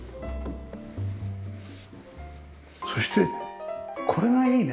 そしてこれがいいね